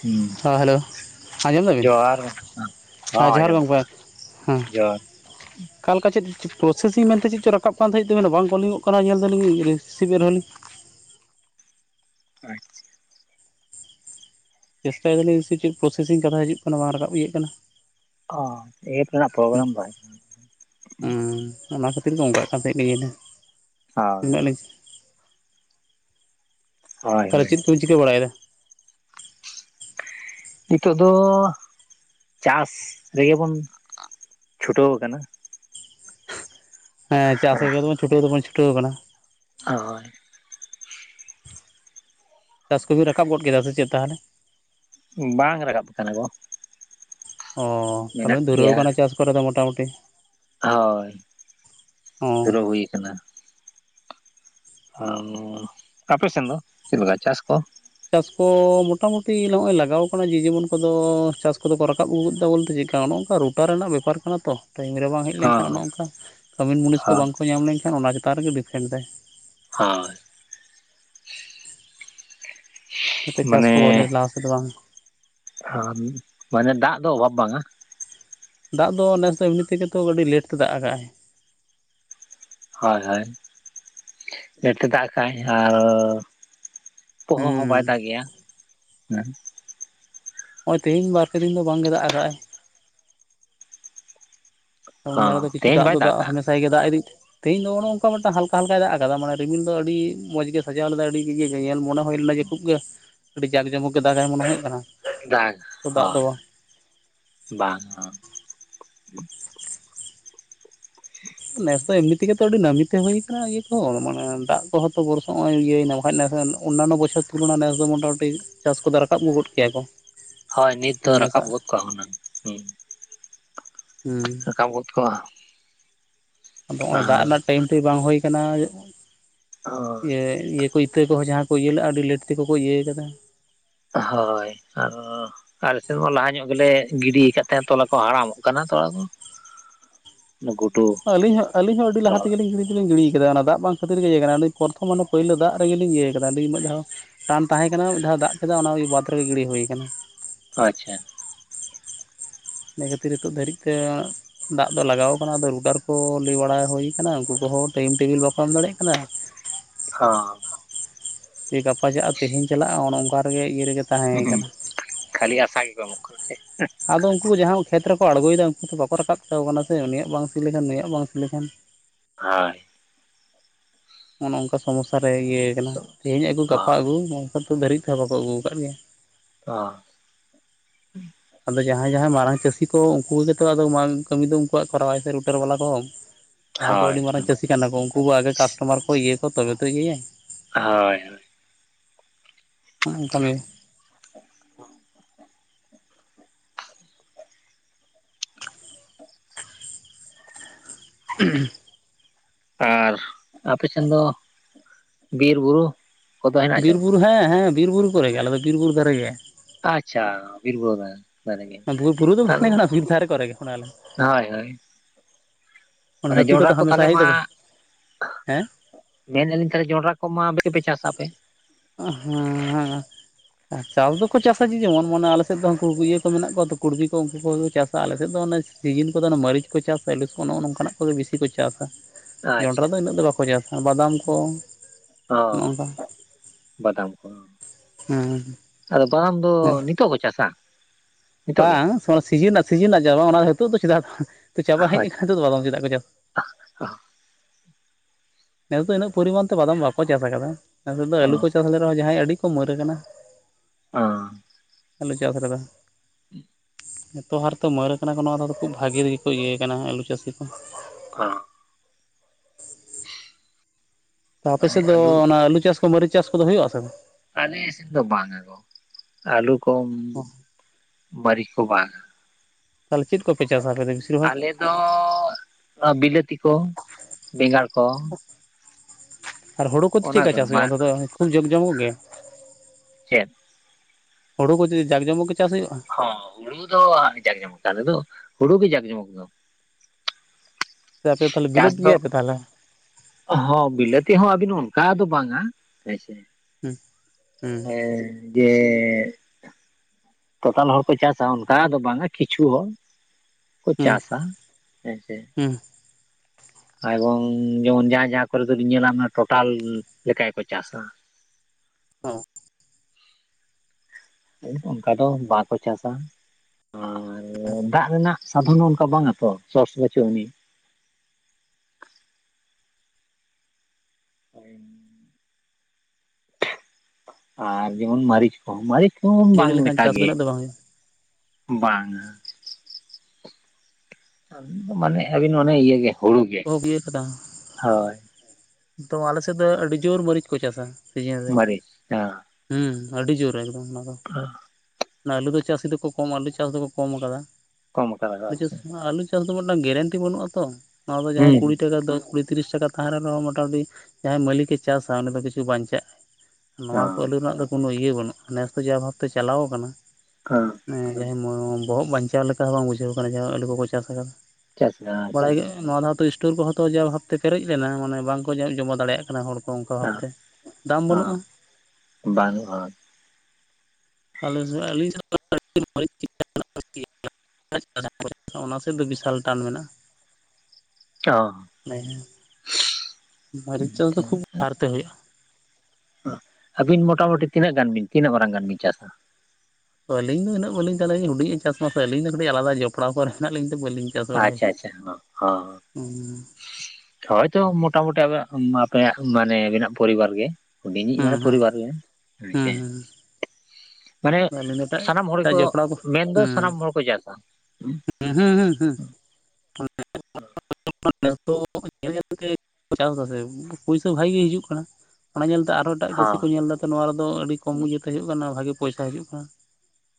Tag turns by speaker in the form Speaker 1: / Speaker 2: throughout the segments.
Speaker 1: ᱦᱩᱸ
Speaker 2: ᱦᱚᱸ ᱦᱮᱞᱳ᱾ ᱟᱸᱡᱚᱢ ᱫᱟᱵᱤᱱ
Speaker 1: ᱡᱚᱦᱟᱨ ᱜᱚᱢᱠᱮ,
Speaker 2: ᱦᱮᱸ
Speaker 1: ᱦᱚᱸ
Speaker 2: ᱡᱚᱦᱟᱨ
Speaker 1: ᱟᱸᱡᱚᱢᱚᱜ
Speaker 2: ᱜᱚᱢᱠᱮ
Speaker 1: ᱠᱟᱱᱟ
Speaker 2: ᱦᱩᱸ᱾
Speaker 1: ᱡᱚᱦᱟᱨ
Speaker 2: ᱚᱠᱟᱞᱮᱠᱟ ᱪᱮᱫ ᱯᱨᱚᱥᱮᱥᱤᱝ ᱢᱮᱱᱛᱮ ᱪᱮᱫ ᱪᱚ ᱨᱟᱠᱟᱵ ᱠᱟᱱ ᱛᱟᱸᱦᱮᱜ ᱛᱟᱹᱵᱤᱱᱟ ᱵᱟᱝ ᱠᱚᱞᱤᱝᱚᱜ ᱠᱟᱱᱟ ᱧᱮᱞ ᱫᱟᱞᱤᱧ ᱨᱤᱥᱤᱵᱷ ᱮᱨᱮᱦᱚᱸᱤᱧ᱾
Speaker 1: [unintelligible]
Speaker 2: ᱪᱮᱥᱴᱟᱭ ᱫᱟᱞᱤᱧ ᱥᱮ ᱪᱮᱫ ᱯᱨᱚᱥᱮᱥᱤᱝ ᱠᱟᱛᱷᱟ ᱦᱤᱡᱩᱜ ᱠᱟᱱᱟ ᱵᱟᱝ ᱨᱟᱠᱟᱵ ᱤᱭᱟᱹᱜ ᱠᱟᱱᱟ᱾
Speaker 1: ᱚ, ᱮᱯ ᱨᱮᱱᱟᱜ ᱯᱨᱳᱵᱞᱮᱢ ᱫᱟᱭ᱾
Speaker 2: ᱩᱸ ᱚᱱᱟ ᱠᱷᱟᱹᱛᱤᱨ ᱜᱮ ᱚᱱᱠᱟᱜ ᱠᱟᱱ ᱛᱟᱦᱮᱫ ᱱᱤᱭᱟᱹ ᱫᱚ᱾
Speaker 1: ᱦᱳᱭ᱾ ᱦᱳᱭ
Speaker 2: ᱛᱟᱦᱚᱞᱮ
Speaker 1: ᱦᱳᱭ
Speaker 2: ᱪᱮᱫ ᱠᱚᱵᱤᱱ ᱪᱤᱠᱟᱹ ᱵᱟᱲᱟᱭ ᱫᱟ?
Speaker 1: ᱱᱤᱛᱚᱜ ᱫᱚ ᱪᱟᱥ ᱨᱮᱜᱮ ᱵᱚᱱ ᱪᱷᱩᱴᱟᱹᱣ ᱟᱠᱟᱱᱟ᱾
Speaker 2: ᱦᱮᱸ ᱪᱟᱥ ᱨᱮᱜᱮ ᱵᱚᱱ ᱪᱷᱩᱴᱟᱹᱣ ᱫᱚᱵᱚᱱ ᱪᱷᱩᱴᱟᱹᱣ ᱟᱠᱟᱱᱟ᱾
Speaker 1: ᱦᱳᱭ᱾
Speaker 2: ᱪᱟᱥ ᱠᱚᱵᱤᱱ ᱨᱟᱠᱟᱵ ᱜᱚᱫ ᱠᱮᱫᱟ ᱥᱮ ᱪᱮᱫ ᱛᱟᱦᱚᱞᱮ?
Speaker 1: ᱵᱟᱝ ᱨᱟᱠᱟᱵ ᱠᱟᱱᱟ ᱜᱚ᱾
Speaker 2: ᱚ ᱛᱟᱦᱚᱞᱮ ᱵᱤᱱ ᱫᱷᱩᱨᱟᱹᱣ
Speaker 1: ᱜᱮᱭᱟ
Speaker 2: ᱠᱟᱱᱟ ᱪᱟᱥ ᱠᱚᱨᱮ ᱜᱮ ᱢᱳᱴᱟᱢᱩᱴᱤ᱾
Speaker 1: ᱦᱳᱭ, ᱫᱷᱩᱨᱟᱹᱣ ᱦᱩᱭ ᱠᱟᱱᱟ᱾ ᱟᱯᱮ ᱥᱮᱱ ᱫᱚ ᱪᱮᱫ ᱞᱮᱠᱟ ᱪᱟᱥ ᱠᱚ?
Speaker 2: ᱪᱟᱥ ᱠᱚ ᱢᱚᱴᱟᱢᱩᱴᱤ ᱱᱚᱜᱼᱚᱭ ᱞᱟᱜᱟᱣ ᱟᱠᱟᱱᱟ ᱡᱮ ᱡᱮᱢᱚᱱ ᱠᱚᱫᱚ ᱪᱟᱥ ᱠᱚᱫᱚ ᱠᱚ ᱨᱟᱠᱟᱵ ᱟᱹᱜᱩ ᱜᱚᱫ ᱫᱟ ᱵᱚᱞᱛᱮ ᱪᱮᱫᱠᱟ ᱱᱚ ᱟ ᱨᱩᱴᱟᱨ ᱨᱮᱱᱟᱜ ᱵᱮᱯᱟᱨ ᱠᱟᱱᱟ ᱛᱚ᱾ ᱴᱟᱭᱤᱢ ᱨᱮ ᱵᱟᱝ ᱦᱮᱡ ᱞᱮᱱᱠᱷᱟᱱ
Speaker 1: ᱦᱚᱸ
Speaker 2: ᱚᱱᱮ ᱚᱱᱠᱟ ᱠᱟᱹᱢᱤᱱ ᱢᱩᱱᱤᱥ ᱠᱚ
Speaker 1: ᱦᱚᱸ
Speaker 2: ᱵᱟᱝᱠᱚ ᱧᱟᱢ ᱞᱮᱱᱠᱷᱟᱱ ᱚᱱᱟ ᱪᱮᱛᱟᱱ ᱨᱮᱜᱮ ᱰᱤᱯᱮᱱᱰ ᱫᱟᱭ᱾
Speaker 1: ᱦᱳᱭ᱾
Speaker 2: ᱡᱟᱛᱮ ᱪᱟᱥ
Speaker 1: ᱢᱟᱱᱮ
Speaker 2: ᱠᱚ ᱵᱟᱞᱮ ᱞᱟᱦᱟ ᱥᱮᱫ ᱵᱟᱝ
Speaker 1: ᱦᱟ ᱢᱟᱱᱮ ᱫᱟᱜ ᱫᱚ ᱚᱵᱷᱟᱵ ᱵᱟᱝᱟ᱾
Speaker 2: ᱫᱟᱜ ᱫᱚ ᱱᱮᱥ ᱫᱚ ᱮᱢᱱᱤ ᱛᱮᱜᱮ ᱛᱚ ᱟᱹᱰᱤ ᱞᱮᱴ ᱛᱮ ᱫᱟᱜ ᱠᱟᱜ-ᱟᱭ᱾
Speaker 1: ᱦᱳᱭ ᱦᱳᱭ, ᱞᱮᱴᱮ ᱛᱮ ᱫᱟᱜ ᱠᱟᱜ-ᱟᱭ ᱟᱨ ᱯᱚᱦᱚ
Speaker 2: ᱦᱩᱸ
Speaker 1: ᱦᱚᱸ ᱵᱟᱭ ᱫᱟᱜ ᱜᱮᱭᱟ, ᱦᱮᱸ᱾
Speaker 2: ᱦᱚᱸᱜᱼᱚᱭ ᱛᱮᱦᱮᱧ ᱵᱟᱨ ᱯᱮ ᱫᱤᱱ ᱫᱚ ᱵᱟᱝ ᱜᱮ ᱫᱟᱜ ᱠᱟᱜ-ᱟᱭ᱾ ᱩᱱ
Speaker 1: ᱦᱚᱸ
Speaker 2: ᱫᱟᱨᱟ ᱫᱚ ᱠᱤᱪᱷᱩ
Speaker 1: ᱛᱮᱦᱮᱧ
Speaker 2: ᱫᱟᱜ
Speaker 1: ᱵᱟᱭ
Speaker 2: ᱫᱚ ᱫᱟᱜ
Speaker 1: ᱠᱟᱜᱼᱟ
Speaker 2: ᱦᱟᱢᱮᱥᱟᱭ ᱜᱮ ᱫᱟᱜ ᱤᱫᱤᱜ ᱮᱫ ᱛᱟᱦᱮᱫ᱾ ᱛᱤᱦᱤᱧ ᱫᱚ ᱚᱱᱮ ᱚᱱᱠᱟ ᱢᱤᱫᱴᱟᱝ ᱦᱟᱞᱠᱟ ᱦᱟᱞᱠᱟᱭ ᱫᱟᱜ ᱟᱠᱟᱫᱟ, ᱢᱟᱱᱮ ᱨᱤᱢᱤᱞ ᱫᱚ ᱟᱹᱰᱤ ᱢᱚᱡᱽ ᱜᱮ ᱥᱟᱡᱟᱣ ᱞᱮᱫᱟᱭ ᱟᱹᱰᱤ ᱧᱮᱞ ᱢᱚᱱᱮ ᱦᱩᱭ ᱞᱮᱱᱟ ᱡᱮ ᱠᱷᱩᱵ ᱜᱮ ᱟᱹᱰᱤ ᱡᱟᱠ ᱡᱚᱢᱚᱠ ᱜᱮ ᱫᱟᱜᱟᱭ ᱢᱚᱱᱮ ᱦᱩᱭᱩᱜ ᱠᱟᱱᱟ᱾
Speaker 1: ᱫᱟᱜ
Speaker 2: ᱛᱚ ᱫᱟᱜ ᱫᱚ
Speaker 1: ᱦᱳᱭ
Speaker 2: ᱵᱟᱝ
Speaker 1: ᱦᱳᱭ ᱵᱟᱝ-ᱟ᱾
Speaker 2: ᱱᱮᱥ ᱫᱚ ᱮᱢᱱᱤ ᱛᱮᱜᱮ ᱛᱚ ᱟᱹᱰᱤ ᱱᱟᱹᱢᱤᱛᱮ ᱦᱩᱭ ᱟᱠᱟᱱᱟ ᱤᱭᱟᱹ ᱠᱚᱦᱚᱸ ᱢᱟᱱᱮ ᱫᱟᱜ ᱠᱚᱦᱚᱸ ᱛᱚ ᱦᱚᱜᱼᱚᱭ ᱤᱭᱟᱹᱭᱱᱟ ᱵᱟᱠᱷᱟᱡ ᱱᱮᱥ ᱚᱱᱱᱟᱱᱚ ᱵᱚᱪᱷᱚᱨ ᱛᱩᱞᱚᱱᱟ ᱱᱮᱥ ᱫᱚ ᱢᱚᱴᱟᱢᱩᱴᱤ ᱪᱟᱥ ᱠᱚᱫᱚ ᱨᱟᱠᱟᱵ ᱟᱹᱜᱩ ᱜᱚᱫ ᱠᱮᱭᱟ ᱠᱚ᱾
Speaker 1: ᱦᱳᱭ ᱱᱤᱛ ᱫᱚ ᱨᱟᱠᱟᱵ
Speaker 2: ᱱᱮᱥᱟᱜ
Speaker 1: ᱜᱚᱫ ᱠᱚᱜ-ᱟ ᱦᱩᱱᱟᱹᱝ ᱦᱩᱸ᱾
Speaker 2: ᱦᱩᱸ᱾
Speaker 1: ᱨᱟᱠᱟᱵ ᱜᱚᱫ ᱠᱚᱜ-ᱟ᱾
Speaker 2: ᱟᱫᱚ ᱦᱚᱸᱜᱼᱚᱭ ᱫᱟᱜ ᱨᱮᱱᱟᱜ ᱴᱟᱭᱤᱢ ᱴᱷᱤᱠ ᱵᱟᱝ ᱦᱩᱭ ᱠᱟᱱᱟ, ᱤᱭᱟᱹ ᱤᱭᱟᱹ ᱠᱚ ᱤᱛᱟᱹ ᱠᱚᱦᱚᱸ ᱡᱟᱦᱟᱸ ᱠᱚ ᱤᱭᱟᱹ ᱞᱟᱜ-ᱟ ᱟᱹᱰᱤ ᱞᱮᱴ ᱛᱮᱠᱚ ᱠᱚ ᱤᱭᱟᱹ ᱠᱟᱫᱟ᱾
Speaker 1: ᱦᱳᱭ ᱟᱨ ᱟᱞᱮ ᱥᱮᱫ ᱢᱟ ᱞᱟᱦᱟ ᱧᱚᱜ ᱜᱮᱞᱮ ᱜᱤᱰᱤ ᱟᱠᱟᱫ ᱛᱟᱦᱮᱸ ᱛᱚᱞᱟ ᱠᱚ ᱦᱟᱲᱟᱢᱚᱜ ᱠᱟᱱᱟ, ᱛᱚᱞᱟ ᱠᱚ᱾
Speaker 2: [inaudible]
Speaker 1: ᱚᱱᱟ ᱜᱷᱩᱰᱩ,
Speaker 2: ᱟᱹᱞᱤᱧ ᱦᱚᱸ ᱟᱞᱤᱧ ᱦᱚᱸ ᱟᱹᱰᱤ ᱞᱟᱦᱟ ᱛᱮᱜᱮ ᱞᱤᱧ ᱦᱤᱲᱤᱧ ᱞᱤᱧ ᱜᱤᱲᱤ ᱠᱟᱫᱟ ᱚᱱᱟ ᱫᱟᱜ ᱵᱟᱝ ᱠᱷᱟᱹᱛᱤᱨ ᱜᱮ ᱤᱭᱟᱹ ᱠᱟᱱᱟ ᱩᱱᱤ ᱯᱚᱨᱛᱷᱚᱢ ᱚᱱᱟ ᱯᱳᱭᱞᱳ ᱫᱟᱜ ᱨᱮᱜᱮᱞᱤᱧ ᱤᱭᱟᱹ ᱠᱟᱫᱟ ᱞᱤᱧ ᱢᱤᱫ ᱫᱷᱟᱣ ᱴᱟᱱ ᱛᱟᱦᱮᱸ ᱠᱟᱱᱟ ᱢᱤᱫ ᱫᱦᱟᱣ ᱫᱟᱜ ᱠᱮᱫᱟ ᱚᱱᱟ ᱵᱟᱫ ᱨᱮᱜᱮ ᱜᱤᱲᱤ ᱦᱳᱭ ᱟᱠᱟᱱᱟ᱾
Speaker 1: ᱚ ᱟᱪᱪᱷᱟ᱾
Speaker 2: ᱤᱱᱟᱹ ᱠᱷᱟᱹᱛᱤᱨ ᱱᱤᱛᱚᱜ ᱫᱷᱟᱹᱨᱤᱡ ᱛᱮ ᱫᱟᱜ ᱫᱚ ᱞᱟᱜᱟᱣ ᱠᱟᱱᱟ ᱟᱫᱚ ᱨᱩᱴᱟᱨ ᱠᱚ ᱞᱟᱹᱭ ᱵᱟᱲᱟ ᱦᱩᱭ ᱠᱟᱱᱟ ᱩᱱᱠᱩ ᱠᱚᱦᱚᱸ ᱴᱟᱭᱤᱢ ᱴᱮᱵᱤᱞ ᱵᱟᱠᱚ ᱮᱢ ᱫᱟᱲᱮᱭᱟᱜ ᱠᱟᱱᱟ᱾
Speaker 1: ᱦᱚᱸ᱾
Speaker 2: ᱡᱮ ᱜᱟᱯᱟᱪᱟᱜ-ᱟ ᱛᱮᱦᱮᱧ ᱪᱟᱞᱟᱜᱼᱟ ᱚᱱ ᱚᱱᱠᱟ ᱨᱮᱜᱮ ᱤᱭᱟᱹ ᱨᱮᱜᱮ,
Speaker 1: ᱦᱩᱸ
Speaker 2: ᱛᱟᱦᱮᱸ
Speaker 1: ᱩᱸ
Speaker 2: ᱠᱟᱱᱟ
Speaker 1: ᱠᱷᱟᱞᱤ ᱟᱥᱟ ᱜᱮᱠᱚ ᱮᱢᱚᱜ ᱠᱟᱱᱟ ᱥᱮ
Speaker 2: ᱟᱫᱚ ᱩᱱᱠᱩ ᱡᱟᱦᱟᱸ ᱠᱷᱮᱛ ᱨᱮᱠᱚ ᱟᱬᱜᱚᱭᱫᱟ ᱩᱱᱠᱩ ᱫᱚ ᱵᱟᱠᱚ ᱨᱟᱠᱟᱵ ᱦᱚᱪᱚᱭᱟᱠᱚ ᱠᱟᱱᱟ ᱥᱮ ᱩᱱᱤᱭᱟᱜ ᱵᱟᱝ ᱥᱤ ᱞᱮᱠᱷᱟᱱ ᱱᱩᱭᱟᱜ ᱵᱟᱝ ᱥᱤ ᱞᱮᱠᱷᱟᱱ,
Speaker 1: ᱦᱳᱭ᱾
Speaker 2: ᱚᱱ ᱚᱝᱠᱟ ᱥᱚᱢᱚᱥᱟ ᱨᱮ ᱤᱭᱟᱹ ᱠᱟᱱᱟ ᱛᱮᱦᱮᱧ ᱟᱹᱜᱩ
Speaker 1: ᱦᱳᱭ
Speaker 2: ᱜᱟᱯᱟ ᱟᱹᱜᱩ ᱱᱚᱝᱠᱟ ᱱᱤᱛ ᱫᱷᱟᱹᱨᱤᱡ ᱛᱮᱦᱚᱸ ᱵᱟᱠᱚ ᱟᱹᱜᱩ ᱟᱠᱟᱫ ᱜᱮᱭᱟ᱾
Speaker 1: ᱚᱸᱻ
Speaker 2: ᱟᱫᱚ ᱡᱟᱦᱟᱸᱭ ᱡᱟᱦᱟᱸᱟᱭ ᱢᱟᱨᱟᱝ ᱪᱟᱹᱥᱤ ᱠᱚ ᱩᱱᱠᱩᱜᱮᱛᱚ ᱟᱫᱚ ᱢᱟ ᱠᱟᱹᱢᱤ ᱫᱚ ᱩᱱᱠᱩᱣᱟᱜ ᱠᱚᱨᱟᱣᱟᱭ ᱥᱮ ᱨᱩᱴᱟᱨ ᱵᱟᱞᱟ ᱠᱚ᱾ ᱡᱟᱦᱟᱸᱭ ᱠᱚ
Speaker 1: ᱦᱳᱭ
Speaker 2: ᱟᱹᱰᱤ ᱢᱟᱨᱟᱝ ᱪᱟᱹᱥᱤ ᱠᱟᱱᱟ ᱠᱚ ᱩᱱᱠᱩ ᱟᱜᱮ ᱠᱟᱥᱴᱚᱢᱟᱨ ᱠᱚ ᱤᱭᱟᱹ ᱠᱚᱣᱟ ᱛᱚᱵᱮ ᱛᱚ ᱤᱭᱟᱹᱭᱟᱭ᱾
Speaker 1: ᱦᱳᱭ ᱦᱳᱭ᱾
Speaker 2: ᱦᱩᱸ ᱠᱟᱹᱢᱤ,
Speaker 1: [unintelligible]
Speaker 2: [unintelligible]
Speaker 1: ᱟᱨ ᱟᱯᱮ ᱥᱮᱱ ᱫᱚ ᱵᱤᱨ ᱵᱩᱨᱩ, ᱠᱚᱫᱚ ᱦᱮᱱᱟᱜ ᱟᱥᱮ
Speaker 2: ᱵᱤᱨ
Speaker 1: ᱵᱟᱝ
Speaker 2: ᱵᱩᱨᱩ ᱦᱮᱸ ᱦᱮᱸ ᱵᱤᱨ ᱵᱩᱨᱩ ᱠᱚᱨᱮ ᱜᱮ ᱟᱞᱮ ᱫᱚ ᱵᱤᱨ ᱵᱩᱨᱩ ᱫᱟᱨᱮ ᱜᱮ᱾
Speaker 1: ᱟᱪᱪᱷᱟ ᱵᱤᱨ ᱵᱩᱨᱩ ᱨᱮ,
Speaker 2: ᱵᱩᱨ ᱵᱩᱨᱩ ᱫᱚ ᱢᱟᱱᱮ [unintelligible] ᱠᱚᱨᱮ ᱜᱮ ᱚᱱᱟᱞᱮ,
Speaker 1: ᱦᱳᱭ ᱦᱳᱭ᱾
Speaker 2: ᱚᱱᱟ
Speaker 1: ᱚᱱᱮ
Speaker 2: ᱦᱟᱹᱛᱤ ᱠᱚᱫᱚ
Speaker 1: ᱡᱚᱱᱰᱨᱟ ᱠᱚ ᱛᱟᱞᱮ
Speaker 2: ᱦᱟᱢᱮᱥᱟ ᱦᱮᱡ
Speaker 1: ᱢᱟ
Speaker 2: ᱫᱚᱠᱚ ᱦᱮᱸ
Speaker 1: [unintelligible] ᱢᱮᱱ ᱫᱟᱹᱞᱤᱧ ᱛᱟᱦᱚᱞᱮ ᱡᱚᱱᱰᱨᱟ ᱠᱚ ᱢᱟ ᱟᱯᱮ ᱜᱮᱯᱮ ᱪᱟᱥᱟ ᱟᱯᱮ?
Speaker 2: ᱚ ᱦᱮᱸ ᱦᱮᱸ ᱦᱮᱸ᱾ ᱪᱟᱞ ᱫᱚᱠᱚ ᱪᱟᱥᱟ ᱡᱮ ᱡᱮᱢᱚᱱ ᱢᱟᱱᱮ ᱟᱞᱮ ᱥᱮᱫ ᱫᱚ ᱩᱱᱠᱩ ᱤᱭᱟᱹ ᱠᱚ ᱢᱮᱱᱟᱜ ᱠᱚᱣᱟ ᱛᱚ ᱠᱩᱸᱲᱵᱤ ᱠᱚ ᱩᱱᱠᱩ ᱠᱚ ᱪᱟᱥ ᱟ ᱟᱞᱮ ᱥᱮᱫ ᱫᱚ ᱚᱱᱮ ᱥᱤᱡᱤᱱ ᱠᱚᱫᱚ ᱢᱟᱹᱨᱤᱪ ᱠᱚ ᱪᱟᱥᱟ ᱟᱞᱩ ᱠᱚ ᱱᱚᱜᱼᱚ ᱱᱚᱝᱠᱟᱱᱟᱜ ᱠᱚᱫᱚ ᱵᱤᱥᱤ ᱠᱚ ᱪᱟᱥᱟ᱾ ᱡᱚᱱᱰᱨᱟ
Speaker 1: ᱟᱪᱪᱷᱟ
Speaker 2: ᱫᱚ ᱤᱱᱟᱹᱜ ᱫᱚ ᱵᱟᱠᱚ ᱡᱟᱥᱟ ᱵᱟᱫᱟᱢ ᱠᱚ
Speaker 1: ᱚ
Speaker 2: ᱱᱚᱝᱠᱟ᱾
Speaker 1: ᱵᱟᱫᱟᱢ ᱠᱚᱦᱚᱸ,
Speaker 2: ᱦᱮᱸ
Speaker 1: ᱟᱫᱚ ᱵᱟᱢ ᱫᱚ ᱱᱤᱛᱳᱜ ᱠᱚ ᱪᱟᱥᱟ? ᱱᱤᱛᱚᱜ ᱜᱮ
Speaker 2: ᱵᱟᱝ ᱥᱤᱡᱤᱱ ᱨᱮᱱᱟᱜ ᱥᱤᱡᱤᱱ ᱨᱮᱱᱟᱜ ‍ᱡᱟ ᱵᱟᱝ ᱚᱱᱟ ᱫᱚ ᱱᱤᱛᱚᱜ ᱫᱚ ᱪᱮᱫ ᱠᱚ ᱪᱟᱵᱟ ᱦᱮᱡ
Speaker 1: ᱟᱪᱪᱷᱟ
Speaker 2: ᱟᱠᱟᱱ ᱫᱚ ᱵᱟ ᱪᱮᱫᱟᱜ ᱡᱟᱥ
Speaker 1: ᱚ
Speaker 2: ᱱᱮᱥ ᱫᱚ ᱤᱱᱟᱹᱜ ᱯᱚᱨᱤᱢᱟᱱ ᱛᱮ ᱵᱟᱫᱟᱢ ᱵᱟᱠᱚ ᱪᱟᱥ ᱟᱠᱟᱫᱟ ᱾ᱱᱤᱛᱚᱜ ᱫᱚ ᱟᱞᱩ ᱠᱚ ᱪᱟᱥ ᱞᱮ ᱨᱮᱦᱚᱸ ᱡᱟᱦᱟᱸᱭ ᱟᱹᱰᱤ ᱠᱚ ᱢᱟᱹᱨ ᱠᱟᱱᱟ,
Speaker 1: ᱦᱚᱸ
Speaker 2: ᱟᱞᱩ ᱪᱟᱥ ᱨᱮᱫᱚ,
Speaker 1: [inaudible]
Speaker 2: ᱡᱚᱛᱚ ᱦᱚᱲ‌ ᱛᱚ ᱢᱟᱹᱨ ᱟᱠᱟᱱᱟ ᱠᱚ ᱱᱚᱣᱟ ᱫᱷᱟᱣ ᱫᱚ ᱠᱷᱩᱵ ᱵᱷᱟᱜᱤ ᱨᱮᱜᱮ ᱠᱚ ᱤᱭᱟᱹ ᱟᱠᱟᱱᱟ ᱟᱹᱞᱩ ᱪᱟᱹᱥᱤ ᱠᱚ᱾
Speaker 1: [unintelligible]
Speaker 2: ᱟᱯᱮ ᱥᱮᱜ ᱫᱚ ᱚᱱᱟ ᱟᱹᱞᱩ ᱪᱟᱥ ᱠᱚ ᱢᱟᱹᱨᱤᱪ ᱪᱟᱥ ᱠᱚᱫᱚ ᱦᱩᱭᱩᱜᱼᱟ ᱥᱮ ᱵᱟᱝ?
Speaker 1: ᱟᱞᱮ ᱤᱥᱤᱱ ᱫᱚ ᱵᱟᱝᱟ ᱜᱚ ᱟᱹᱞᱩ ᱠᱚ ᱢᱟᱹᱨᱤᱪ ᱠᱚ ᱵᱟᱝᱟ᱾
Speaker 2: ᱛᱟᱦᱚᱞᱮ ᱪᱮᱫ ᱠᱚᱯᱮ ᱪᱟᱥᱟ [unintelligible]
Speaker 1: ᱟᱞᱮ ᱫᱚᱻ ᱚ ᱵᱤᱞᱟᱹᱛᱤ ᱠᱚ ᱵᱮᱸᱜᱟᱲ ᱠᱚ᱾
Speaker 2: ᱟᱨ ᱦᱩᱲᱩ ᱠᱚ
Speaker 1: ᱚᱱᱟ
Speaker 2: ᱪᱤᱠᱟ
Speaker 1: ᱠᱚᱨᱮ
Speaker 2: ᱪᱟᱥ
Speaker 1: ᱢᱟ
Speaker 2: ᱦᱩᱭᱩᱜᱼᱟ ᱚᱱᱛᱮ ᱫᱚ ᱠᱷᱩᱵ ᱡᱟᱠ ᱡᱚᱢᱚᱠ ᱜᱮ?
Speaker 1: ᱪᱮᱫ,
Speaker 2: ᱦᱩᱲᱩ ᱠᱩ ᱡᱩᱫᱤ ᱡᱟᱠ ᱡᱚᱢᱚᱠ ᱜᱮ ᱪᱟᱥ ᱦᱩᱭᱩᱜᱼᱟ?
Speaker 1: ᱦᱚᱸ ᱦᱩᱲᱩ ᱫᱚ ᱟ ᱡᱟᱠᱡᱚᱢᱚᱠ ᱟᱞᱮ ᱫᱚ ᱦᱩᱲᱩ ᱜᱤ‌ ᱡᱟᱠᱡᱚᱢᱚᱠ ᱫᱚ᱾
Speaker 2: ᱥᱮ ᱟᱯᱮ ᱛᱟᱦᱞᱮ
Speaker 1: ᱪᱟᱥ
Speaker 2: ᱵᱤᱞᱟᱹᱛ
Speaker 1: ᱫᱚ
Speaker 2: ᱜᱮᱭᱟ ᱯᱮ ᱛᱟᱦᱚᱞᱮ?
Speaker 1: ᱦᱚᱸ ᱵᱤᱞᱟᱹᱛᱤ ᱦᱚᱸ ᱟᱵᱤᱱ ᱚᱱᱠᱟ ᱫᱚ ᱵᱟᱝᱟ ᱦᱮᱸᱥᱮ᱾
Speaker 2: ᱦᱩᱸ ᱦᱩᱸ
Speaker 1: ᱦᱮᱸ ᱜᱮᱜᱽᱻ ᱴᱚᱴᱟᱞ ᱦᱚᱲ ᱠᱚ ᱪᱟᱥᱟ ᱚᱱᱠᱟ ᱫᱚ ᱵᱟᱝᱟ ᱠᱤᱪᱷᱩ ᱦᱚᱸ ᱠᱚ
Speaker 2: ᱦᱩᱸ
Speaker 1: ᱪᱟᱥᱟ ᱦᱮᱸᱥᱮ᱾ ᱟᱭᱵᱚᱝ ᱡᱮᱢᱚᱱ ᱡᱟᱦᱟᱸ ᱡᱟᱦᱟᱸ ᱠᱚᱨᱮ ᱫᱚᱞᱤᱧ ᱧᱮᱞᱟ ᱚᱱᱟ ᱴᱳᱴᱟᱞ ᱞᱮᱠᱟ ᱜᱮᱠᱚ ᱪᱟᱥᱟ᱾
Speaker 2: ᱦᱚᱸ,
Speaker 1: ᱚᱱᱠᱟ ᱫᱚ ᱵᱟᱠᱚ ᱪᱟᱥᱟ, ᱟᱨ ᱫᱟᱜ ᱨᱮᱱᱟᱜ ᱥᱟᱫᱷᱚᱱ ᱦᱚᱸ ᱚᱱᱠᱟ ᱵᱟᱝ ᱟ, ᱛᱚ ᱥᱚᱥ ᱵᱟᱹᱪᱩᱜ ᱟᱹᱱᱤᱡ ᱾ ᱦᱚᱭ ᱮᱢ [unintelligible] ᱟᱨ ᱡᱮᱢᱚᱱ ᱢᱟᱹᱨᱤᱪ ᱠᱚᱦᱚᱸ, ᱢᱟᱹᱨᱤᱪ ᱠᱚᱦᱚᱸ
Speaker 2: ᱡᱟᱹᱲᱤ
Speaker 1: ᱵᱟᱝ
Speaker 2: ᱞᱮᱠᱷᱟᱱ
Speaker 1: ᱞᱮᱠᱟ
Speaker 2: ᱪᱟᱥ ᱫᱚ
Speaker 1: ᱜᱮ᱾
Speaker 2: ᱩᱱᱟᱹᱜ ᱫᱚ ᱵᱟᱝ ᱦᱩᱭᱩᱜᱼᱟ
Speaker 1: ᱵᱟᱝᱼᱟ ᱾ ᱢᱟᱱᱮ ᱟᱹᱵᱤᱱ ᱚᱱᱮ ᱤᱭᱟᱹ ᱜᱮ, ᱦᱳᱲᱩ ᱜᱮ,
Speaker 2: ᱮᱦᱚᱵ ᱤᱭᱟᱹ ᱠᱟᱫᱟ
Speaker 1: ᱦᱳᱭ ᱾
Speaker 2: ᱛᱚ ᱟᱞᱮ ᱥᱮᱫ ᱫᱚ, ᱟᱹᱰᱤ ᱡᱳᱨ ᱢᱟᱹᱨᱤᱪ ᱠᱚ ᱪᱟᱥᱟ ᱥᱤᱡᱤᱱ ᱨᱮ
Speaker 1: ᱢᱟᱹᱨᱤᱪ
Speaker 2: ᱾ ᱦᱩᱸ ᱟᱹᱰᱤ ᱡᱳᱨ ᱮᱠᱫᱚᱢ ᱚᱱᱟ ᱫᱚ ᱾
Speaker 1: ᱟ
Speaker 2: ᱟᱹᱞᱩ ᱫᱚ ᱪᱟᱹᱥᱤ ᱫᱚᱠᱚ, ᱠᱚᱢ ᱟᱹᱞᱩ ᱪᱟᱥ ᱫᱚᱠᱚ ᱠᱚᱢ ᱠᱟᱫᱟ
Speaker 1: ᱠᱚᱢ ᱠᱟᱫᱟ ᱠᱚ
Speaker 2: ᱾ᱟᱹᱞᱩ
Speaker 1: ᱟᱪᱪᱷᱟ
Speaker 2: ᱪᱟᱹᱥᱤ ᱟᱹᱞᱩ ᱪᱟᱥ ᱫᱚ ᱢᱤᱫᱴᱟᱝ ᱜᱮᱨᱮᱱᱴᱤ ᱵᱟᱹᱱᱩᱜᱼᱟ ᱛᱚ, ᱱᱚᱣᱟ ᱫᱚ ᱡᱟᱦᱟᱸᱭ
Speaker 1: ᱦᱩᱸ
Speaker 2: ᱠᱩᱲᱤ
Speaker 1: ᱦᱩᱸ
Speaker 2: ᱴᱟᱠᱟ ᱫᱚ ᱠᱩᱲᱤ ᱛᱤᱨᱤᱥ ᱴᱟᱠᱟ ᱛᱟᱦᱮᱱ ᱨᱮᱦᱚᱸ ᱢᱚᱴᱟᱢᱩᱴᱤ ᱡᱟᱦᱟᱸᱭ ᱢᱟᱹᱞᱤᱠ ᱮ ᱪᱟᱥᱼᱟ, ᱩᱱᱤ ᱫᱚ ᱠᱤᱪᱷᱩ ᱵᱟᱧᱪᱟᱜᱼᱟᱭ ᱱᱚᱣᱟ ᱠᱚ
Speaker 1: ᱦᱮᱸ
Speaker 2: ᱟᱹᱞᱩ ᱨᱮᱱᱟᱜ ᱫᱚ ᱠᱳᱱᱳ ᱤᱭᱟᱹ ᱵᱟᱹᱱᱩᱜᱼᱟ, ᱱᱮᱥ ᱫᱚ ᱡᱟ ᱵᱷᱟᱵᱛᱮ ᱪᱟᱞᱟᱣ ᱠᱟᱱᱟ᱾
Speaker 1: ᱦᱮᱸ
Speaker 2: ᱮᱸ ᱵᱚᱦᱚᱜ ᱵᱟᱧᱪᱟᱣ ᱞᱮᱠᱟ ᱦᱚᱸ ᱵᱟᱝ ᱵᱩᱡᱷᱟᱹᱣ ᱠᱟᱱᱟ, ᱡᱟᱦᱟᱭ ᱟᱞᱩ ᱠᱚ ᱠᱚ ᱪᱟᱥ ᱠᱟᱫᱟ᱾
Speaker 1: ᱪᱟᱥ ᱠᱟᱜᱼᱟ ᱟᱪᱪᱷᱟ᱾
Speaker 2: ᱱᱟᱣᱟ ᱫᱷᱟᱣ ᱛᱚ ᱮᱥᱴᱳᱨ ᱠᱚ ᱦᱚᱸᱛᱚ ᱡᱟ ᱵᱷᱟᱵ ᱛᱮ ᱯᱮᱨᱮᱡ ᱞᱮᱱᱟ, ᱢᱟᱱᱮ ᱵᱟᱝ ᱠᱚ ᱡᱚᱢᱟ ᱫᱟᱲᱮ ᱭᱟᱜ ᱠᱟᱱᱟ ᱦᱚᱲ ᱠᱚ᱾ ᱚᱝᱠᱟ ᱵᱷᱟᱵ ᱛᱮ ᱫᱟᱢ ᱵᱟᱹᱱᱩᱜᱼᱟ᱾
Speaker 1: ᱵᱟᱹᱱᱩᱜ ᱟ᱾
Speaker 2: ᱟᱞᱤᱧ ᱦᱚᱸ ᱟᱹᱞᱤᱧ [unintelligible] [unintelligible] [unintelligible] [unintelligible] [unintelligible] ᱵᱤᱥᱟᱞ ᱴᱟᱱ ᱢᱮᱱᱟᱜᱼᱟ᱾
Speaker 1: [unintelligible] [unintelligible]
Speaker 2: [unintelligible] ᱞᱟᱹᱭᱢᱮ᱾ ᱢᱟᱹᱨᱤᱡ ᱪᱟᱥ ᱫᱚ ᱠᱷᱩᱵ ᱵᱟᱨ ᱛᱮ ᱦᱳᱭᱳᱜᱼᱟ᱾
Speaker 1: ᱟᱹᱵᱤᱱ ᱢᱚᱴᱟ ᱢᱩᱴᱤ ᱛᱤᱱᱟᱹᱜ ᱜᱟᱱ ᱵᱤᱱ, ᱛᱤᱱᱟᱹᱜ ᱢᱟᱨᱟᱝ ᱜᱟᱱ ᱵᱤᱱ ᱪᱟᱥᱼᱟ?
Speaker 2: ᱟᱞᱤᱧ ᱫᱚ ᱩᱱᱟᱹᱜ ᱵᱟᱹᱞᱤᱧ, ᱦᱩᱰᱤᱧ ᱪᱟᱥ ᱵᱟᱥᱟ ᱟᱹᱞᱤᱧ ᱫᱚ ᱠᱟᱹᱴᱤᱡ ᱟᱞᱟᱫᱟ ᱡᱚᱯᱲᱟᱣ ᱠᱨᱮᱱᱟᱜ ᱞᱤᱧ ᱵᱟᱹᱞᱤᱧ ᱪᱟᱥᱟ᱾
Speaker 1: ᱟᱪᱪᱷᱟ ᱟᱪᱪᱷᱟ ᱦᱚᱸ ᱦᱚᱸ᱾
Speaker 2: ᱦᱩᱸ
Speaker 1: ᱦᱳᱭ ᱛᱚ ᱢᱚᱴᱟ ᱢᱩᱴᱤ, ᱟᱵᱤᱱᱟᱜ ᱟᱯᱮᱭᱟᱜ ᱢᱟᱱᱮ, ᱟᱵᱤᱱᱟᱜ ᱯᱚᱨᱤᱵᱟᱨ ᱜᱮ᱾ ᱦᱩᱰᱤᱧᱤᱡ ᱢᱟᱱᱮ
Speaker 2: ᱦᱩᱸ
Speaker 1: ᱯᱚᱨᱤᱵᱟᱨ ᱜᱮ, ᱦᱮ
Speaker 2: ᱦᱩᱸ
Speaker 1: ᱥᱮ᱾
Speaker 2: ᱦᱩᱸ ᱟᱹᱞᱤᱧ ᱩᱱᱟᱹᱜᱴᱟ,
Speaker 1: ᱜᱮᱠᱚ
Speaker 2: ᱡᱚᱯᱲᱟᱣ ᱠᱚ
Speaker 1: ᱢᱮᱱᱫᱚ
Speaker 2: ᱦᱩᱸ
Speaker 1: ᱥᱟᱱᱟᱢ ᱦᱚᱲ ᱠᱚ ᱪᱟᱥᱟ
Speaker 2: ᱦᱩᱸ ᱦᱩᱸ ᱦᱩᱸ ᱦᱩᱸ [unintelligible] [unintelligible] [unintelligible] [unintelligible] ᱯᱩᱭᱥᱟᱹ ᱵᱷᱟᱜ ᱜᱮ ᱦᱤᱡᱩᱜ ᱠᱟᱱᱟ, ᱚᱱᱟ ᱧᱮᱞᱛᱮ ᱟᱨᱦᱚ ᱮᱴᱟᱜ ᱪᱟᱹᱥᱤ ᱠᱚ
Speaker 1: ᱦᱚᱸ
Speaker 2: ᱧᱮᱞ ᱫᱟ ᱛᱚ, ᱱᱚᱣᱟ ᱨᱮ ᱫᱚ ᱟᱹᱰᱤ ᱠᱚᱢ ᱤᱭᱟᱹ ᱛᱮ ᱦᱳᱭᱳᱜ ᱠᱟᱱᱟ, ᱵᱷᱟ ᱜᱮ ᱯᱚᱭᱥᱟ ᱦᱳᱭᱳᱜ ᱠᱟᱱᱟ᱾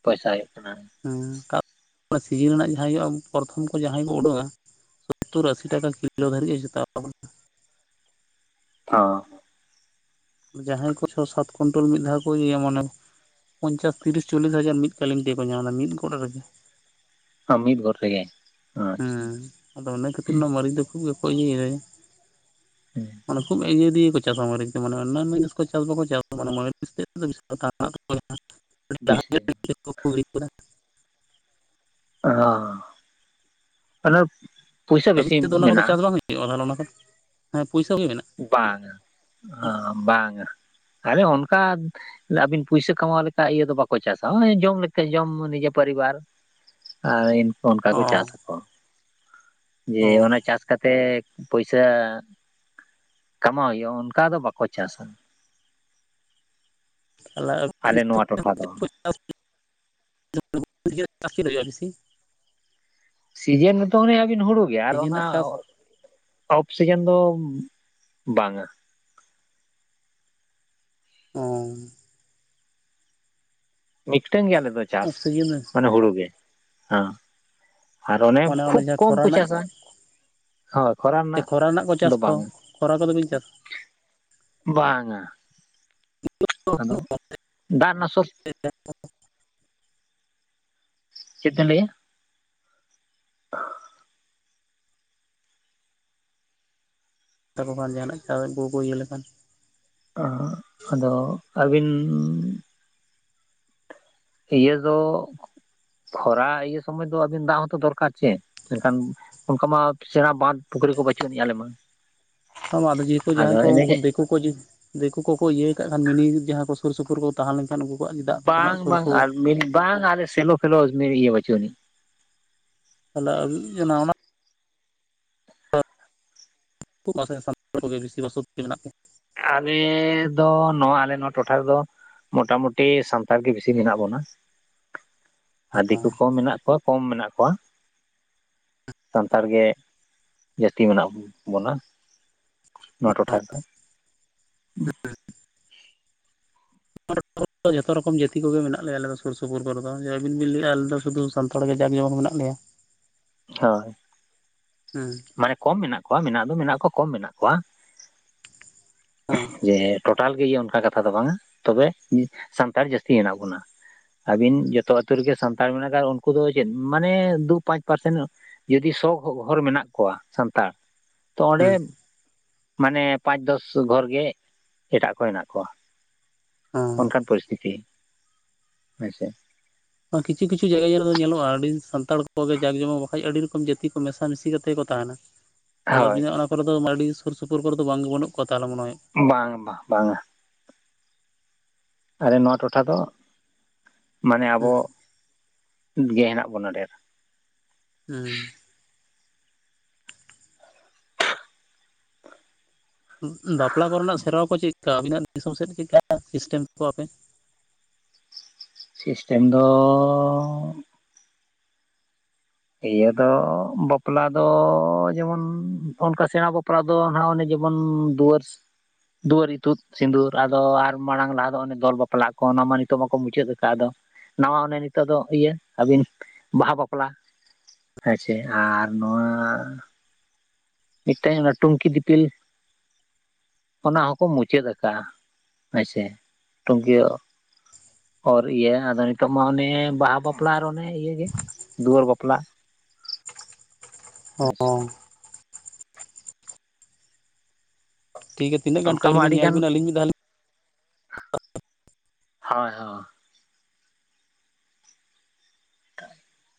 Speaker 1: ᱯᱚᱭᱥᱟ ᱦᱳᱭᱳᱜ ᱠᱟᱱᱟ᱾
Speaker 2: ᱦᱩ ᱛᱟᱣ ᱥᱤᱡᱤᱱ ᱨᱮᱱᱟᱜ ᱡᱟᱦᱟᱸᱭ ᱦᱳᱭᱳᱜᱼᱟ, ᱯᱚᱨᱚᱛᱷᱚᱢ ᱠᱚ ᱡᱟᱦᱟᱸᱭ ᱠᱚ ᱩᱰᱩᱠᱟ᱾ ᱥᱚᱛᱳᱨ ᱟᱥᱤ ᱴᱟᱠᱟ ᱠᱤᱞᱳ ᱫᱷᱟᱹᱨᱤᱡ [unintelligible]
Speaker 1: ᱚᱸ
Speaker 2: ᱡᱟᱦᱟᱸᱭ ᱠᱚ ᱪᱷᱚ ᱥᱟᱛ ᱠᱩᱭᱱᱴᱟᱞ, ᱢᱤᱫ ᱫᱷᱟᱣ ᱠᱚ ᱤᱭᱟᱹᱭᱟ ᱢᱟᱱᱮ ᱯᱚᱧᱪᱟᱥ ᱛᱤᱨᱤᱥ ᱪᱚᱞᱞᱤᱥ ᱦᱟᱡᱟᱨ, ᱢᱤᱫ ᱠᱟᱞᱤᱱ ᱛᱮ ᱜᱮᱠᱚ ᱧᱟᱢ ᱫᱟ, ᱢᱤᱫ ᱜᱚᱫ ᱨᱮ ᱜᱮ᱾
Speaker 1: ᱦᱚ ᱢᱤᱫ ᱜᱚᱫ ᱨᱮ ᱜᱮ᱾
Speaker 2: ᱦᱮᱸ ᱟᱫᱚ ᱚᱱᱟ ᱠᱷᱟᱹᱛᱤᱨ ᱱᱚᱶᱟ, ᱢᱟᱨᱤᱪ ᱫᱚ ᱠᱷᱩᱵ ᱜᱮ ᱠᱚ ᱤᱭᱟᱹᱭᱟ᱾
Speaker 1: ᱦᱮᱸ
Speaker 2: ᱢᱟᱱᱮ ᱠᱷᱩᱵᱽ ᱤᱭᱟᱹ ᱫᱤᱭᱮ ᱠᱚ ᱪᱟᱥᱟ, ᱢᱟᱹᱨᱤᱪ ᱫᱚ ᱢᱟᱱᱮ ᱚᱱᱟᱱ ᱡᱤᱱᱤᱥ ᱠᱚ ᱪᱟᱥ ᱵᱟᱠᱚ ᱪᱟᱥ [unintelligible]
Speaker 1: ᱵᱮᱥᱤ
Speaker 2: [unintelligible] [unintelligible] [unintelligible] [unintelligible]
Speaker 1: ᱚ ᱚᱱᱟ ᱯᱚᱭᱥᱟᱹ
Speaker 2: ᱟᱹᱵᱤᱱ
Speaker 1: ᱵᱮᱥᱤ
Speaker 2: ᱥᱮᱫ ᱫᱚ ᱚᱱᱟ
Speaker 1: ᱢᱮᱱᱟᱜᱼᱟ᱾
Speaker 2: [unintelligible] ᱚᱱᱟ ᱠᱚ ᱫᱚ ᱦᱮᱸ ᱯᱩᱭᱥᱟᱹ ᱜᱮ ᱢᱮᱱᱟᱜᱼᱟ᱾
Speaker 1: ᱵᱟᱝ ᱟ ᱵᱟᱝ ᱟ ᱟᱞᱮ ᱚᱱᱠᱟᱼᱼ ᱟᱵᱤᱱ ᱯᱩᱭᱥᱟᱹ ᱠᱟᱢᱟᱣ ᱞᱮᱠᱟ ᱤᱭᱟᱹ ᱫᱚ ᱵᱟᱠᱚ ᱪᱟᱥᱟ ᱡᱚᱢ ᱞᱮᱠᱟ ᱡᱚᱢ ᱱᱤᱡᱮ ᱯᱚᱨᱤᱵᱟᱨᱼᱼ ᱟᱨ ᱚᱱᱠᱟ ᱠᱚ ᱪᱟᱥ ᱟᱠᱚᱼᱼ ᱡᱮ
Speaker 2: ᱚ ᱚ
Speaker 1: ᱚᱱᱟ ᱪᱟᱥ ᱠᱟᱛᱮᱜ ᱯᱚᱭᱥᱟᱼᱼ ᱠᱟᱢᱟᱣ ᱦᱳᱭᱳᱜᱼᱟ ᱚᱱᱠᱟ ᱫᱚ ᱵᱟᱠᱚ ᱪᱟᱥᱼᱟ᱾
Speaker 2: ᱛᱟᱦᱞᱮ
Speaker 1: ᱟᱞᱮ ᱱᱚᱣᱟ ᱴᱚᱴᱷᱟ ᱫᱚ
Speaker 2: [unintelligible] [unintelligible]
Speaker 1: ᱥᱤᱡᱮᱱ ᱨᱮ ᱛᱚ ᱚᱱᱮ ᱟᱹᱵᱤᱱ ᱦᱩᱲᱩ ᱜᱮ ᱟᱨ
Speaker 2: ᱥᱤᱡᱤᱱ
Speaker 1: ᱚᱱᱟᱼᱼ
Speaker 2: ᱨᱮᱱᱟᱜ ᱪᱟᱥ
Speaker 1: ᱚᱯᱷ ᱥᱤᱡᱮᱱ ᱫᱚ ᱵᱟᱝᱼᱟ᱾
Speaker 2: ᱚᱻ
Speaker 1: ᱢᱤᱫ ᱴᱮᱱ ᱜᱮ ᱟᱞᱮ ᱫᱚ ᱪᱟᱥ
Speaker 2: ᱥᱤᱡᱤᱱ ᱨᱮ
Speaker 1: ᱢᱟᱱᱮ ᱦᱩᱲᱩ ᱜᱮ ᱦᱮᱸ ᱟᱨ ᱚᱱᱮ
Speaker 2: ᱢᱟᱱᱮ
Speaker 1: ᱠᱷᱩᱵ
Speaker 2: ᱡᱟᱦᱟᱸ
Speaker 1: ᱠᱚᱢ
Speaker 2: ᱠᱷᱚᱨᱟ
Speaker 1: ᱠᱚ
Speaker 2: ᱨᱮᱱᱟᱜ
Speaker 1: ᱪᱟᱥᱼᱟ᱾ ᱦᱳᱭ ᱠᱷᱚᱨᱟ
Speaker 2: ᱪᱮ
Speaker 1: ᱨᱮᱱᱟᱜ
Speaker 2: ᱠᱚ
Speaker 1: ᱫᱚ
Speaker 2: ᱪᱟᱥ ᱠᱚ
Speaker 1: ᱵᱟᱝᱼᱟ᱾
Speaker 2: ᱠᱷᱚᱨᱟ ᱠᱚᱫᱚ ᱵᱤᱱ ᱪᱟᱥ
Speaker 1: ᱵᱟᱝᱼᱟ᱾ ᱫᱟᱜ ᱨᱮᱱᱟᱜ ᱥᱳᱨᱥ
Speaker 2: [unintelligible]
Speaker 1: ᱪᱮᱫ ᱫᱮᱧ ᱞᱟᱹᱭᱼᱟ? [inaudible]
Speaker 2: ᱛᱟᱠᱚ ᱠᱷᱟᱱ ᱡᱟᱦᱟᱱᱟᱜ [inaudible] ᱠᱚ ᱤᱭᱟᱹ ᱞᱮᱠᱷᱟᱱ᱾
Speaker 1: ᱚ ᱟᱫᱚ ᱟᱹᱵᱤᱱᱼᱼ ᱤᱭᱟᱹ ᱫᱚ ᱠᱷᱚᱨᱟ ᱤᱭᱟᱹ ᱥᱚᱢᱚᱭ ᱫᱚ ᱟᱹᱵᱤᱱ ᱫᱟᱜ ᱦᱚᱛᱚ ᱫᱚᱨᱠᱟᱨ ᱪᱮᱫ ᱢᱮᱱᱠᱷᱟᱱᱼᱼ ᱚᱱᱠᱟ ᱢᱟ ᱥᱮᱬᱟ ᱵᱟᱸᱫᱷ ᱯᱩᱠᱷᱨᱤ ᱠᱚ ᱵᱟᱹᱪᱩᱜ ᱟᱱᱤᱡ ᱟᱞᱮ ᱢᱟ᱾
Speaker 2: ᱟᱫᱚ ᱡᱮᱦᱮᱛᱩ ᱡᱟᱦᱟᱸᱭ
Speaker 1: ᱟᱫᱚ
Speaker 2: ᱠᱚ ᱩᱱᱠᱩ
Speaker 1: ᱮᱱᱮ
Speaker 2: ᱫᱤᱠᱩ ᱠᱚ ᱫᱤᱠᱩ ᱠᱚᱠᱚ ᱤᱭᱟᱹ ᱠᱟᱜ ᱠᱷᱟᱱ ᱢᱤᱱᱤ ᱡᱟᱦᱟᱸ ᱠᱚ ᱥᱩᱨ ᱥᱩᱯᱩᱨ ᱠᱚ ᱛᱟᱦᱮᱸ ᱞᱮᱱᱠᱷᱟᱱ ᱩᱱᱠᱩ ᱠᱚᱣᱟᱜ ᱪᱮᱫᱟᱜ ᱥᱮᱱᱟ
Speaker 1: ᱵᱟᱝ
Speaker 2: ᱥᱩᱨ
Speaker 1: ᱵᱟᱝ
Speaker 2: ᱥᱩᱨ᱾
Speaker 1: ᱟᱨ ᱢᱤᱱ ᱵᱟᱝ ᱟᱞᱮ ᱥᱮᱞᱚ ᱯᱷᱮᱞᱚ ᱤᱭᱟᱹ ᱵᱟᱹᱪᱩᱜ ᱟᱹᱱᱤᱡ᱾
Speaker 2: [unintelligible] [unintelligible]
Speaker 1: ᱟᱞᱮ ᱫᱚ ᱱᱚᱣᱟ ᱟᱞᱮ ᱱᱚᱣᱟ ᱴᱚᱴᱷᱟ ᱨᱮᱫᱚᱼᱼ ᱢᱳᱴᱟᱢᱩᱴᱤ ᱥᱟᱱᱛᱟᱲ ᱜᱮ ᱵᱤᱥᱤ ᱢᱮᱱᱟᱜ ᱵᱚᱱᱟ᱾ ᱟᱨ ᱫᱤᱠᱩ ᱠᱚ ᱢᱮᱱᱟᱜ ᱠᱚᱣᱟ ᱠᱚᱢ ᱢᱮᱱᱟᱜ ᱠᱚᱣᱟ᱾ ᱥᱟᱱᱛᱟᱲ ᱜᱮ ᱡᱟᱹᱥᱛᱤ ᱢᱮᱱᱟᱜ ᱵᱚᱱᱟ᱾ ᱱᱚᱣᱟ ᱴᱚᱴᱷᱟ ᱨᱮᱫᱚ᱾ ᱷᱩ
Speaker 2: [unintelligible] ᱡᱷᱚᱛᱚ ᱨᱚᱠᱚᱢ ᱡᱟᱹᱛᱤ ᱠᱚᱜᱮ ᱢᱮᱱᱟᱜ ᱞᱮᱭᱟ ᱟᱞᱮᱫᱚ ᱥᱩᱨ ᱥᱩᱯᱩᱨ ᱠᱚᱨᱮ ᱫᱚ ᱡᱮ ᱟᱹᱵᱤᱱ ᱵᱮᱱ ᱞᱟᱹᱭᱼᱮᱭᱟ ᱟᱞᱮ ᱫᱚ ᱥᱩᱫᱩ ᱥᱟᱱᱛᱟᱲ ᱜᱮ ᱡᱟᱠ ᱡᱚᱢᱚᱠ ᱢᱮᱱᱟᱜ ᱞᱮᱭᱟ᱾ [inaudible]
Speaker 1: ᱦᱳᱭ᱾
Speaker 2: ᱦᱮᱸ
Speaker 1: ᱢᱟᱱᱮ ᱠᱚᱢ ᱢᱮᱱᱟᱜ ᱠᱚᱣᱟ ᱢᱮᱱᱟᱜ ᱫᱚ ᱢᱮᱱᱟᱜ ᱠᱚᱣᱟ ᱠᱚᱢ ᱢᱮᱱᱟᱜ ᱠᱚᱣᱟ
Speaker 2: ᱦᱮᱸ
Speaker 1: ᱡᱮᱼᱼ ᱴᱳᱴᱟᱞ ᱜᱮ ᱤᱭᱟᱹ ᱚᱱᱠᱟ ᱠᱟᱛᱷᱟ ᱫᱚ ᱵᱟᱝᱼᱟ ᱛᱚᱵᱮ ᱥᱟᱱᱛᱟᱲ ᱡᱟᱹᱥᱛᱤ ᱦᱮᱱᱟᱜ ᱵᱚᱱᱟ᱾ ᱟᱹᱵᱤᱱ ᱡᱚᱛᱚ ᱟᱛᱳ ᱨᱮᱜᱮ ᱥᱟᱱᱛᱟᱲ ᱢᱮᱱᱟᱜ ᱟᱠᱟᱫ ᱩᱱᱠᱩ ᱫᱚ ᱪᱮᱫ ᱢᱟᱱᱮ ᱫᱩ ᱯᱟᱸᱪ ᱯᱟᱨᱥᱮᱱᱼᱼ ᱡᱩᱫᱤ ᱥᱚ ᱜᱷᱚᱨ ᱢᱮᱱᱟᱜ ᱠᱚᱣᱟ ᱥᱟᱱᱛᱟᱲ ᱛᱚ ᱚᱸᱰᱮᱼᱼ
Speaker 2: ᱦᱮᱸ
Speaker 1: ᱢᱟᱱᱮ ᱯᱟᱸᱪ ᱫᱚᱥ ᱜᱷᱚᱨ ᱜᱮ ᱮᱴᱟᱜ ᱠᱚ ᱦᱮᱱᱟᱜ ᱠᱚᱣᱟ᱾ ᱚᱱᱠᱟᱱ ᱯᱚᱨᱤᱥᱛᱷᱤᱛᱤ ᱦᱩᱭ ᱥᱮ᱾
Speaker 2: ᱠᱤᱪᱷᱩ ᱠᱤᱪᱷᱩ ᱡᱟᱭᱜᱟ ᱧᱮᱞ ᱫᱚ ᱧᱮᱞᱚᱜᱼᱟ ᱟᱹᱰᱤ ᱥᱟᱱᱛᱟᱲ ᱠᱚᱜᱮ ᱡᱟᱠ ᱡᱚᱢᱚᱠ ᱵᱟᱠᱟᱡ ᱟᱹᱰᱤ ᱨᱚᱠᱚᱢ ᱡᱟᱹᱛᱤ ᱠᱚ ᱢᱮᱥᱟᱢᱤᱥᱤ ᱠᱟᱛᱮ ᱠᱚ ᱛᱟᱦᱮᱱᱟ᱾ ᱛᱟᱦᱚᱞᱮ
Speaker 1: ᱦᱳᱭ
Speaker 2: ᱟᱵᱤᱱᱟ ᱚᱱᱟ ᱠᱚᱨᱮ ᱫᱚ [inaudible] ᱥᱩᱨ ᱥᱩᱯᱩᱨ ᱠᱚᱨᱮ ᱫᱚ ᱵᱟᱝ ᱵᱟᱹᱱᱩᱜ ᱠᱚᱣᱟ ᱛᱟᱦᱚᱞᱮ ᱢᱚᱱᱮ ᱦᱚᱭ?
Speaker 1: ᱵᱟᱝ ᱵᱟᱝ ᱵᱟᱝᱼᱟ᱾ ᱟᱞᱮ ᱱᱚᱣᱟ ᱴᱚᱴᱷᱟ ᱫᱚ ᱢᱟᱱᱮ ᱟᱵᱚ
Speaker 2: ᱦᱩᱸ
Speaker 1: ᱜᱮ ᱦᱮᱱᱟᱜ ᱵᱚᱱᱟ ᱰᱷᱮᱨ᱾
Speaker 2: ᱦᱮᱸ᱾ ᱵᱟᱯᱞᱟ ᱠᱚᱨᱮᱱᱟᱜ ᱥᱮᱨᱣᱟ ᱠᱚ ᱪᱮᱫᱠᱟ ᱟᱵᱤᱱᱟᱜ ᱫᱤᱥᱚᱢ ᱥᱮᱫ ᱪᱮᱫᱠᱟ ᱥᱤᱥᱴᱮᱢ ᱠᱚ ᱟᱯᱮ
Speaker 1: ᱥᱤᱥᱴᱮᱢ ᱫᱚᱻᱻ᱾ ᱤᱭᱟᱹ ᱫᱚ ᱵᱟᱯᱞᱟ ᱫᱚ ᱡᱮᱢᱚᱱ ᱚᱱᱠᱟ ᱥᱮᱬᱟ ᱵᱟᱯᱞᱟ ᱫᱚ ᱫᱚ ᱦᱟᱜ ᱚᱱᱮ ᱡᱮᱢᱚᱱ ᱫᱩᱣᱟᱹᱨ ᱫᱩᱣᱟᱹᱨ ᱤᱛᱩᱫ ᱥᱤᱸᱫᱩᱨ ᱟᱫᱚ ᱟᱨ ᱢᱟᱲᱟᱝ ᱞᱟᱦᱟ ᱫᱚ ᱚᱱᱮ ᱫᱚᱞ ᱵᱟᱯᱞᱟ ᱠᱚ ᱚᱱᱟ ᱢᱟ ᱱᱤᱛᱚᱜ ᱢᱟᱠᱚ ᱢᱩᱪᱟᱹᱫ ᱟᱠᱟᱫ, ᱟᱫᱚ ᱱᱟᱣᱟ ᱚᱱᱮ ᱱᱤᱛᱚᱜ ᱫᱚ ᱤᱭᱟᱹ ᱟᱹᱵᱤᱱ ᱵᱟᱦᱟ ᱵᱟᱯᱞᱟ᱾ [inaudible] ᱟᱨ ᱱᱚᱣᱟ᱾ ᱢᱤᱫᱴᱮᱱ ᱚᱱᱟ ᱴᱩᱝᱠᱤ ᱫᱤᱯᱤᱞ, ᱚᱱᱟ ᱦᱚᱸᱠᱚ ᱢᱩᱪᱟᱹᱫ ᱠᱟᱜᱼᱟ, ᱦᱚᱭ ᱥᱮ ᱴᱩᱝᱠᱤ ᱚᱨ ᱤᱭᱟᱹ ᱟᱫᱚ ᱱᱤᱛᱚᱜ ᱢᱟ ᱚᱱᱮ ᱵᱟᱦᱟ ᱵᱟᱯᱞᱟ ᱟᱨ ᱚᱱᱮ ᱤᱭᱟᱹ ᱜᱮ ᱫᱩᱣᱟᱹᱨ ᱵᱟᱯᱞᱟ ᱾
Speaker 2: ᱚ
Speaker 1: ᱟᱪᱪᱷᱟ᱾
Speaker 2: ᱴᱷᱤᱠ ᱜᱮᱭᱟ ᱛᱤᱱᱟᱹᱜ ᱜᱟᱱ
Speaker 1: ᱚᱱᱠᱟ
Speaker 2: ᱴᱟᱭᱢᱤ
Speaker 1: ᱢᱟ
Speaker 2: ᱜᱮ
Speaker 1: ᱟᱹᱰᱤ
Speaker 2: ᱧᱮᱞ
Speaker 1: ᱜᱟᱱ
Speaker 2: ᱵᱤᱱ ᱟᱹᱞᱤᱧ ᱢᱤᱫ ᱫᱷᱟᱹᱣ ᱞᱤᱧ
Speaker 1: ᱦᱳᱭ ᱦᱳ ᱾ [unintelligible]